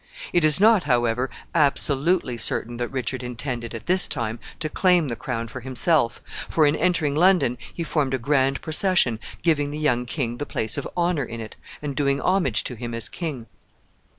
It is not, however, absolutely certain that Richard intended, at this time, to claim the crown for himself, for in entering London he formed a grand procession, giving the young king the place of honor in it, and doing homage to him as king.